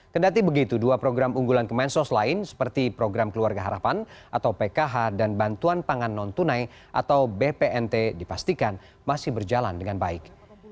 kedati begitu dua program unggulan kemensos lain seperti program keluarga harapan atau pkh dan bantuan pangan non tunai atau bpnt dipastikan masih berjalan dengan baik